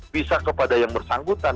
bisa kepada yang bersanggutan